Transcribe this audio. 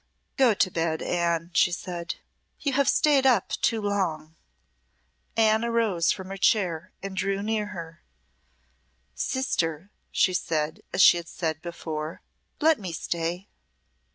"Go to bed, Anne," she said. "You have stayed up too long." Anne arose from her chair and drew near to her. "Sister," said she, as she had said before, "let me stay."